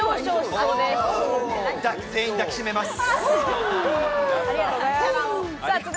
全員抱きしめます。